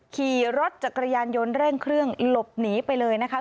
ขี่รถจักรยานยนต์เร่งเครื่องหลบหนีไปเลยนะคะ